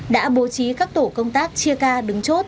đã bố trí các tổ công tác chia ca đứng chốt